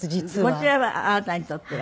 こちらはあなたにとっては？